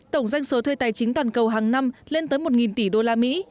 tổng danh số thuê tài chính toàn cầu hàng năm lên tới một tỷ usd